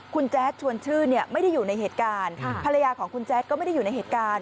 คุณแจ๊ดชวนชื่นไม่ได้อยู่ในเหตุการณ์ภรรยาของคุณแจ๊ดก็ไม่ได้อยู่ในเหตุการณ์